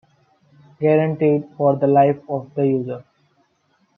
Guaranteed for the life of the user!